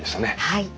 はい。